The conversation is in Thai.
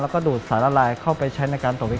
เราก็จะนำเส้นผมที่สกัดเสร็จแล้วมาปั่นเหวี่ยง